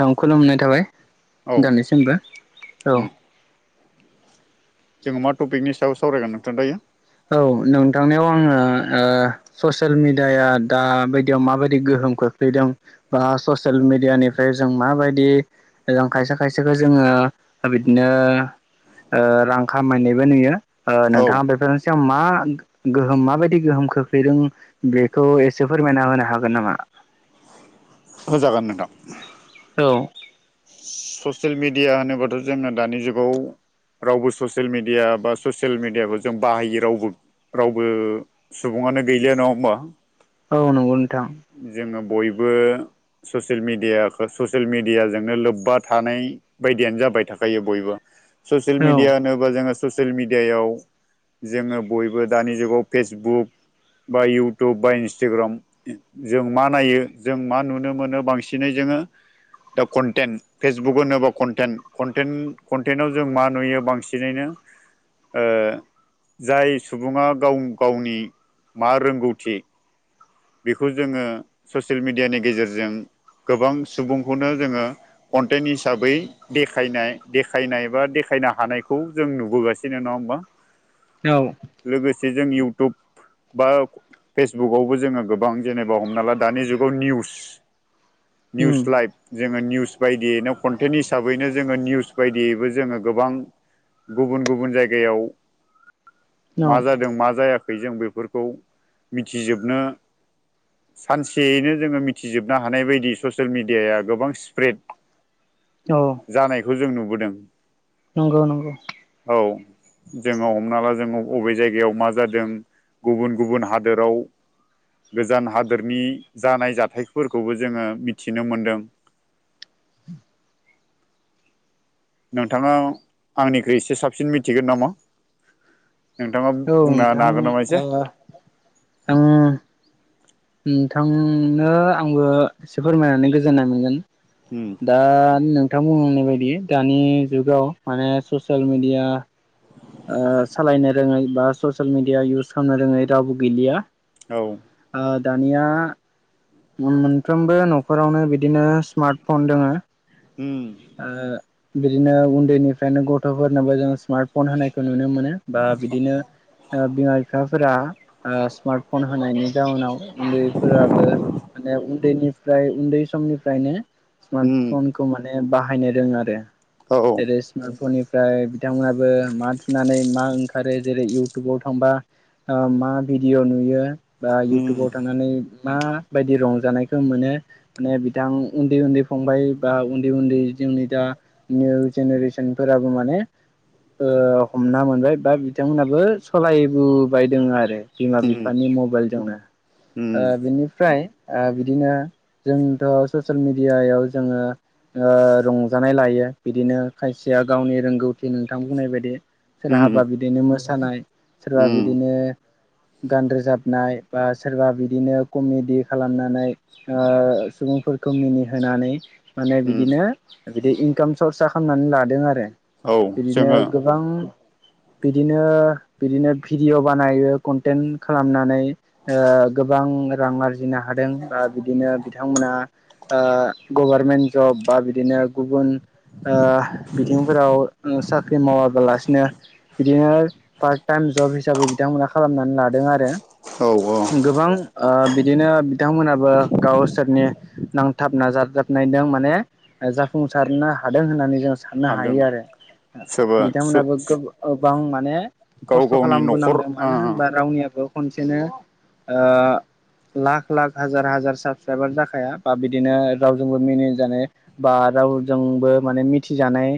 थां खुलुमनाय थाबाय औ नोंथांनिसिमबो औ । उम जोङो मा टपिकनि सायाव सावरायगोन नोंथां दायो औ नोंथांनियाव आङो ओ ससियेल मिडियाया दा बायदियाव माबायदि गो होम खोख्लैदों बा ससियेल मिडियानिफ्राय जों माबायदि जों खायसे खायसेखो जोङो ओ दा बिदिनो ओ रां खामायनायबो नुयो ओ औ नोंथाङा बेफोरनि चोमा मा गोहोम माबायदि गोहोम खोख्लैदों बेखौ एसे फोरमायना होनो हागोन नामा? [inaudible] होजागोन नोंथां औ ससियेल मिडिया होनोबाद'जोङो दानि जुगाव रावबो ससियेल मिडिया बा ससियेल मिडियाबो जों बाहायि रावबो रावबो सुबुङानो गैलिया नङा होमबा औ नंगौ नो जोङो बयबो ससियेल मिडियाखो ससियेल मिडियाजोंनो लोब्बा थानाय बायदियानो जाबाय थाखायो बयबो ससियेल औ मिडिया होनोबा जोङो ससियेल मिडियायाव जोङो बयबो दानि जुगाव फेसबुक बा इउटुब बा इन्सटाग्राम जों मा नायो जों मा नुनो मोनो बांसिनै जोङो दा कन्टेन्ट फेसबुक होनोबा कन्टेन्ट कन्टेन्टआव जों मा नुयो बांसिनैनो [inaudible] ओ जाय सुबुङा गाव गावनि मा रोंगौथि बेखौ जोङो ससियेल मिडियानि गेजेरजों गोबां सुबुंखौनो जोङो कन्टेन्ट हिसाबै देखायनाय-देखायनाय बा देख सायना हानायखौ जों नुबोगासिनो नङा होमबा औ जे जों इउटुब बा फेसबुकावबो जोङो गोबां जेनेबा हमना ला दानि जुगाव उम निउस-निउस लाइभ जोङो निउस बायदियैनो कन्टेन्ट हिसाबैनो जोङो निउस बायदियैबो जोङो गोबां गुबुन गुबुन जायगायाव औ मा जादों मा जायाखै जों बेफोरखौ मिथिजोबनो [inaudible] सानसेयैनो जोङो मिथिजोबनो हानाय बायदि ससियेल मिडियाया गोबां स्प्रेड औ जानायखौ जों नुबोदों नंगौ नंगौ औ जोङो हमना ला जोङो अबे जायगायाव मा जादों गुबुन‌ गुबुन हादोराव गोजान हादोरनि जानाय जाथायफोरखौबो जोङो मिथिनो मोनदों [inaudible] नोंथाङा आंनिख्रुइ एसे साबसिन मिथिगोन नामा? नोंथाङा औ बुंना नोंथां हागोन नामा एसे? ओ आं नोंथांनो आंबो एसे फोरमायनानै गोजोननाय मोनगोन। उम दा नों नोंथां बुंनांनाय बायदि दानि जुगाव माने ससियेल मेडिया ओ सालायनो रोङै बा ससियेल मिडिया इउस खालामनो रोङै रावबो गैलिया। औ ओ दानिया मोनफ्रोमबो न'खरावनो बिदिनो स्मार्ट फन दोङो। होम ओ बिदिनो उन्दैनिफ्रायनो गथ'फोरनोबो जों स्मार्ट फन होनायखौ नुनो मोनो बा बिदिनो ओ बिमा बिफाफोरा ओ स्मार्टफन होनायनि जाउनाव उन्दैफोराबो माने उन्दैनिफ्राय उन्दै समनिफ्रायनो स्मार्ट उम फनखौ माने बाहायनो रोङो आरो । औ औ जेरै स्मार्टफन निफ्राय बिथांमोनहाबो मा थुनानै मा ओंखारो जेरै इउटुबाव थांबा मा भिडिअ' नुयो बा उम इउटुबाव थानानै मा बायदि रंजानायखौ मोनो माने बिथां उन्दै उन्दै फंबाय बा उन्दै उन्दै जोंनि दा निउ जेनेरेसन फोराबो माने ओ हमना मोनबाय बा बिथांमोनहाबो सालायबोबाय दङ आरो। बिमा उम बिफानि मबाइलजोंनो ओ उम बिनिफ्राय ओ बिदिनो जोंथ' ससियेल मिडियायाव जोङो ओ रंजानाय लायो बिदिनो खायसे या गावनि रोंगौथि नोंथां बुंनाय बायदि उम सोरहाबा बिदिनो मोसानाय सोरबा उम बिदिनो गान रोजाबनाय बा सोरबा बिदिनो कमेडि खालामनानै ओ सुबुंफोरखौ मिनिहोनानै माने उम बिदिनो बिदि इनकाम सर्स खालामनानै लादों आरो। औ बिदिनो जोङो गोबां बिदिनो बिदिनो भिडिअ बानायो कन्टेन्ट खालामनानै ओ गोबां रां आरजिनो हादों बा बिदिनो बिथांमोना ओ गभारमेन्ट जब बा बिदिनो गुबुन ओ बिथिंफोराव साख्रि मावाबालासिनो बिदिनो पार्ट टाइम जब हिसाबै बिथांमोना खालामनानै लादों आरो। औ औ गोबां ओ बिदिनो बिथांमोनाबो गावसोरनि नांथाब नाजाजाबनायजों माने जाफुंसारनो हादों होननानै जों साननो हादों हायो आरो। सोरबा सो बिथांमोनाबो गोबां माने गाव खस्थ' गावनि न'खर खालामबोनांदों मानो होनबा ओ रावनियाबो खनसेनो ओ लाख लाख हाजार हाजार साबसक्राइबार जाखाया बा बिदिनो रावजोंबो मिनिजानाय बा रावजोंबो माने मिथिजानाय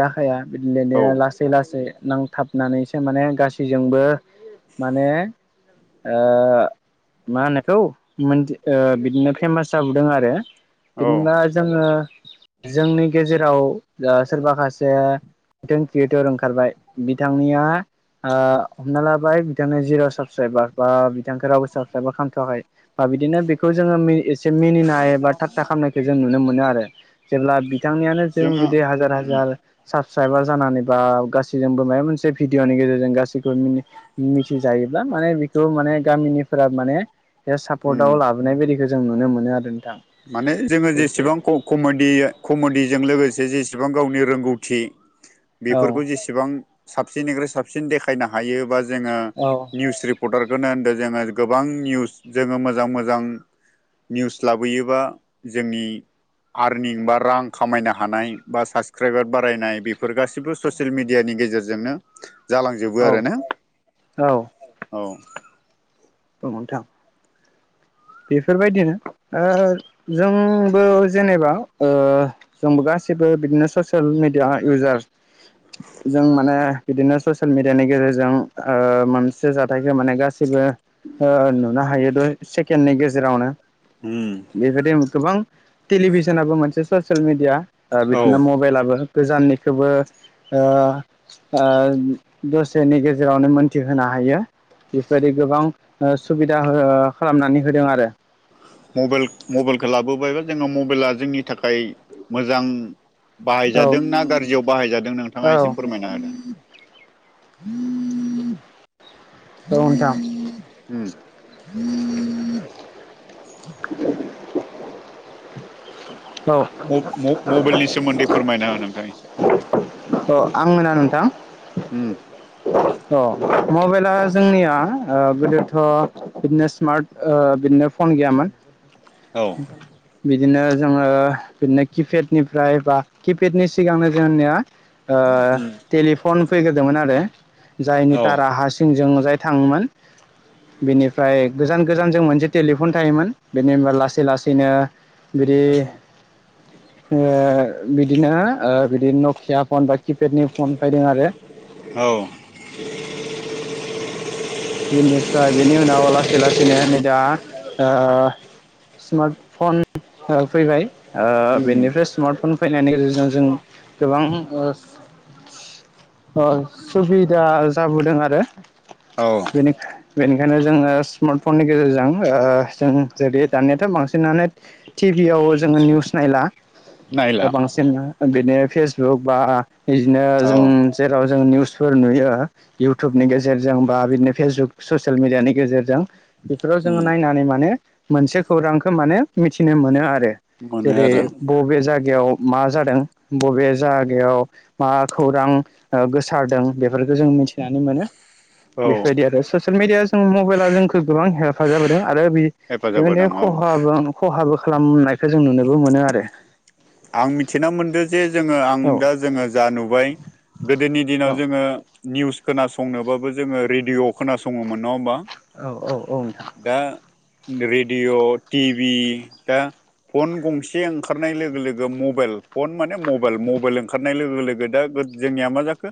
जाखाया बिदिनो औ लासै लासै नांथाबनानैसो माने गासैजोंबो माने ओ मा होनोखौ ओ बिदिनो फेमास जाबोदों आरो। औ बिदिबा जोङो जोंनि गेजेराव दा सोरबा खासे बिथां क्रियेटर ओंखारबाय बिथांनिया ओ हमना लाबाय बिथांनो जिर' साबसक्राइबार बा बिथांखौ राव बो खालामथ'वाखै बा बिदिनो बेखौ जोङो एसे मिनिनाय एबा थाथा खालामनायखौ जों नुनो मोनो आरो। जेब्ला बिथांनियानो जों जोङो जुदि हाजार उम हाजार साबसक्राइबार जानानै बा गा सैजोंबो माबा मोनसे भिडिअनि गेजेरजों गसिखौ मिथियोब्ला माने बेखौ माने गामिनि फोरा माने बे उम सापर्टआव लाबोनाय बायदिखौ जों नुनो मोनो आरो नोंथां। माने जेबो जेसेबां कमेडि कमेडिजों लोगोसे जेसेबां गावनि रोंगौथि औ बेफोरखौ जेसेबां साबसिननिफ्राय साबसिन देखायनो हायोबा जोङो औ निउस रिपर्टार [unintelligible] गोबां निवुज जोङो मोजां मोजां निवुस ला लुबैयोबा जोंनि आर्निं बा रां खामायनो हानाय बा साबसक्राइबार बारायनाय बे बे फोर गासिबो ससियेल मिडियानि गेजेरजोंनो जालांजोबो औ आरो ना औ औ औ थां बेफोरबायदिनो ओ जोंबो जेनेबा ओ जोंबो गासै गासिबो बिदिनो ससेल मिडिया इउजार जों माने बिदिनो ससियेल मिडियानि गेजेरजों मोनसे जाथायखौ माने गासिबो नुनो हायो के नि गेजेरावनो उम बेबायदि गोबां टेलिभिसनाबो मोनसे ससियेल मिडिया औ बिदिनो मबाइलाबो गोजाननिखौबो दसेनि गेजेरावनो मोन्थिहोनो हायो हायो बेबायदि गोबां सुबिदा खालामनानै होदों आरो मबाइल मबाइलखौ लाबोबायबा जोङो मबाइला जोंनि थाखाय मोजां औ बाहायजादों ना गाज्रियाव बाहायजादों नों नोंथाङा एसे फोरमायना होदो औ नोंथां हम [unintelligible] औ मबाइलनि सोमोन्दै फोरमायना हो नोंथां इसे अ आं नोना नोंथां हम मबाइला जोंनिया गोदोथ' बिदिनो स्मार्ट बि फन गैयामोन औ बिदिनो जोङो बिदिनो किपेडनिफ्राय बा किपेडनि सिगांनो जोंनिया टेलिफन फैग्रोदोंमोन आरो जायनि औ थाखायारा हासिंजों जाय थाङोमोन‌ बेनिफ्राय गोजान गोजान जों मोनसे टेलिफन थायोमोन बेनि उनाउ लासै लासै लासैनो बिदि ओ बिदिनो बिदिनो नखिया फन बा किपेडनि फन फैदों आरो औ बेनिफ्राय बेनि उनाव लासै लासैनो नै दा स्मार्टफन फैबाय बेनिफ्राय स्मार्टफन फैनायनि गेजेरजों जों गोबां ओ सुबिदा जाबोदों आरो औ बेनि बेनिखायनो जोङो स्मार्ट फननि गेजेरजों जों जेरदि दानियाथ' बांसिनानो थिग टिभि आव जोङो निउस नायला नायला बांसिन बिदि फेसबुक बा बिदिनो औ जों जेराव जों निउज फोर नुयो इउटुबनि गेजेरजों बा बिदि फेसबुक ससियेल मिडियानि गेजेरजों बेफोराव जोङो उम नायनानै माने मोनसे खौरांखौ माने मिथिनो मोनो आरो मोनो जेरै आरो बबे जाय जायगायाव मा जादों बबे जायगायाव मा खौरां गोसारदों बेफोर बेखौ जों मिन्थिनानै मोनो औ बेफोरबायदि ससियेल मिडिया जों मबाइला जोंखौ गोबां हेफाजाब होदों आरो बे हेफाजाब बेबायनो होदों औ खहाबो खहाबो खालामनायखौ जों नुनोबो मोनो आरो आं मिथिना मोनदों जे जोङो आं औ दा जोङो जा नुबाय गोदोनि दिनाव औ जोङो निउस खोनासंनोबाबो जोङो रेडिय' खोनासङो मो नङा होनबा औ औ औ नोंथां दा रेडिअ' टिभि दा फन गंसे ओंखारनाय लोगो लोग गो मबाइल फन माने मबाइल, मबाइल ओंखारनाय लोगो लोगो दा जोंनिया मा जाखो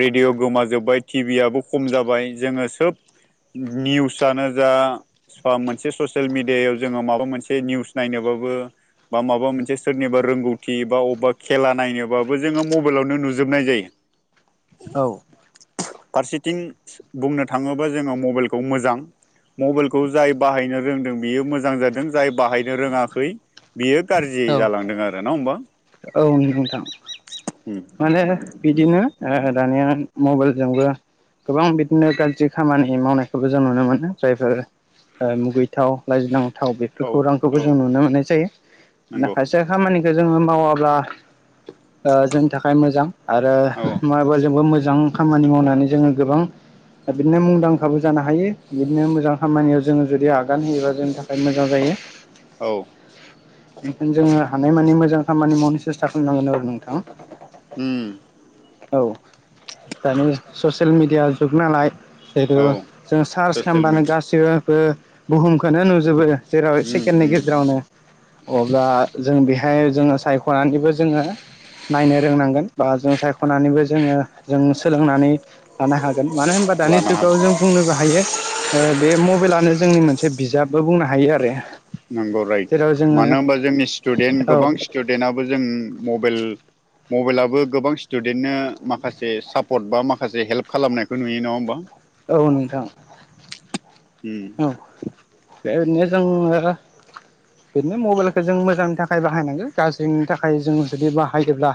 रेडिअ' गोमाजोब्बाय टिभिआबो खम जाबाय जोङो सोब निउसनो जा सा मोनसे ससियेल मिडियायाव जोङो माबा मोनसे निउस नायनोबा खौबो बा माबा मोनसे सोरनिबा रोंगौथि बा अबेबा खेला नायनोबाबो जोङो मबाइलावनो नुजोबनाय जायो। औ। फारसेथिं बुंनो थाङोबा जोङो मबाइलखौ मोजां मबाइलखौ जाय बाहायनो रोंदों बियो मोजां जादों जाय बाहायनो रोङाखै बियो गारजि औ औ नोंथां माने बिदिनो ओह दानिया मबाइलजोंबो गोबां बिदिनो गाज्रि खामानि मावनायखौबो जों नुनो मोनो जायफोर ओह मुगै थाव लाइजिनांथाव बेफोर औ खौरांखौबो औ जों नुनो मोननाय जायो मानो नंगौ खायसे खामानि खो जोङो मावाब्ला ओह जोंनि थाखाय मोजां आरो औ नङाबा जोंबो मोजां खामानि मावनानै जोङो गोबां बिदिनो मुंदांखाबो जानो हायो बिदिनो मोजां खामानियाव जोङो जुदि आगान होयोबा जोंनि थाखाय मोजां जायो। औ बेखायनो जोङो हानायमानि मोजां खामानि मावनो सेस्था खालामनांगोन आरो नोंथां। औ दानि ससियेल मेडिया जुग नालाय जेथु औ जों सार्च ससियेल खालामबानो गासिबो बो बुहुमखौनो नुजोबो। जेराव सेकेण्डनि मिडिया गेजेरावनो अब्ला जों बेहाय जोङो सायख'नानैबो जोङो नायनो रोंनांगोन बा जों साय खनानैबो जोङो जों सोलोंनानै लानो हागोन मानो होनबा दानि लानो जुगाव हागोन जों बुंनोबो हायो ओ बे मबाइलानो जोंनि मोनसे बिजाबबो बुंनो हायो आरो। नंगौ राइत। जेराव जोङो मानो होनबा जोंनि स्टुदेन्ट औ गोबां स्टुडेन्टआबो जों मबेल मबाइलआबो गोबां स्टुडेन्टनो माखासे सापर्ट बा माखासे हेल्प खालामनायखौ नुयो नङा होमबा? औ नोंथां। उम। ओरैनो जोङो बिदिनो मबाइलखौ जों मोजांनि थाखाय बाहायनांगो गाज्रिनि थाखाय जों जुदि बाहायोब्ला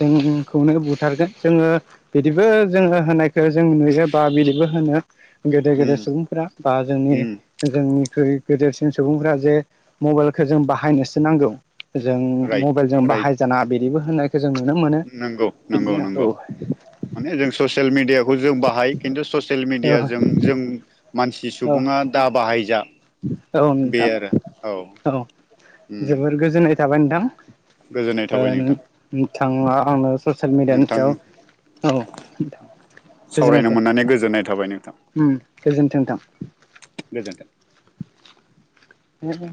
जोंखौनो बुथारगोन जोङो बिदिबो जोङो होनायखौ जों नुयो बा बिदिबो होनो गेदेर गेदेर सुबुंफोरा बा जोंनि जोंनिख्रुइ गेदेर सुबुंफोरा जे मबाइलखौ जों बाहायनोसो नांगौ जों मबाइल राइट जों राइट बाहाय जानाङा बि दिबो होननाय नंगौ नंगौ नंगौ। माने जों ससियेल मिडियाखौ जों बाहाय खिन्थु ससियेल औ मिडियाजों जों मानसि औ सुबुङा दा बाहायजा। औ बे नोंथां आरो औ उम जोबोर गोजोननाय थाबाय नोंथां। गोजोननाय ओह थाबाय नोंथां नों थाङा आनो ससियेल मिडियानि नोंथां सायाव औ गोजोननाय सावरायनो थाबाय मोननानै गोजोननाय थाबाय नोंथां। उम गोजोन्थों नोंथां। [unintelligible] ए